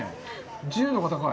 自由度が高い。